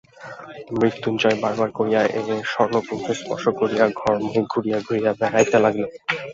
মৃত্যুঞ্জয় বারবার করিয়া এই স্বর্ণপুঞ্জ স্পর্শ করিয়া ঘরময় ঘুরিয়া ঘুরিয়া বেড়াইতে লাগিল।